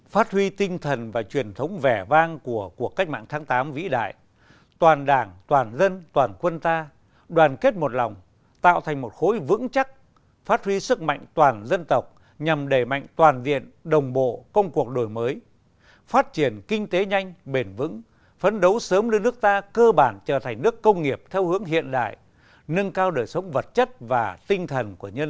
phát huy tinh thần và truyền thống vẻ vang của cách mạng tháng tám vĩ đại toàn đảng toàn dân toàn quân ta đoàn kết một lòng tạo thành một khối vững chắc phát huy sức mạnh toàn dân tộc nhằm đề mạnh toàn diện đồng bộ công cuộc đổi mới phát triển kinh tế nhanh bền vững phấn đấu sớm lên nước ta cơ bản trở thành nước công nghiệp theo hướng hiện đại nâng cao đời sống vật chất và tinh thần của nhân dân